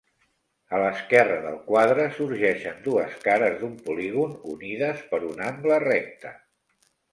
A l'esquerra del quadre, sorgeixen dues cares d'un polígon unides per un angle recte.